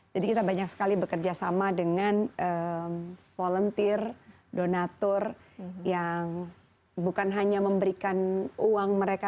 jadi kita banyak sekali bekerja sama dengan volunteer donator yang bukan hanya memberikan uang mereka